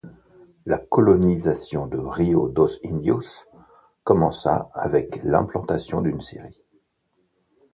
La colonisation de Rio dos Índios commença avec l'implantation d'une scierie.